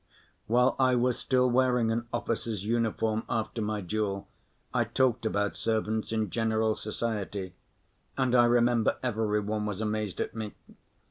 While I was still wearing an officer's uniform after my duel, I talked about servants in general society, and I remember every one was amazed at me.